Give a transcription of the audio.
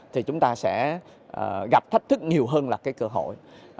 thì chúng ta sẽ gặp thách thức nhiều hơn là cái cơ hội